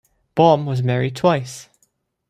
Baum was married twice.